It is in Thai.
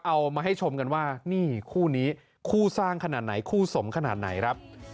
เอามาให้ชมกันว่านี่คู่นี้คู่สร้างขนาดไหนคู่สมขนาดไหนครับ